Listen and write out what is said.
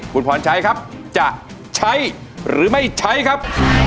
คุณพรชัยครับจะใช้หรือไม่ใช้ครับ